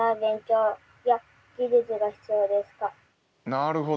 なるほど。